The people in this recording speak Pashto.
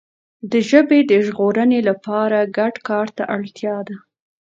د ژبي د ژغورنې لپاره ګډ کار ته اړتیا ده.